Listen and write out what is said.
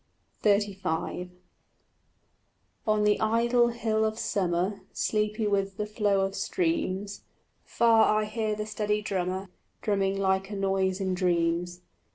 XXXV On the idle hill of summer, Sleepy with the flow of streams, Far I hear the steady drummer Drumming like a noise in dreams.